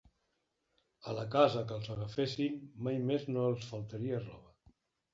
A la casa que els agafessin mai més no els faltaria roba.